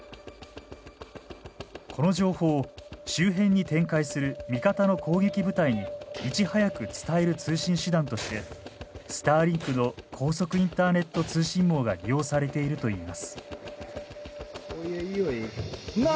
この情報を周辺に展開する味方の攻撃部隊にいち早く伝える通信手段としてスターリンクの高速インターネット通信網が利用されているといいます。